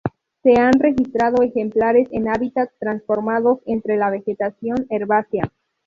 Se han registrado ejemplares en hábitats transformados, entre la vegetación herbácea.